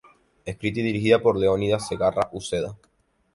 Escrita y dirigida por Leonidas Zegarra Uceda.